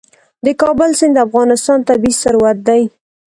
د کابل سیند د افغانستان طبعي ثروت دی.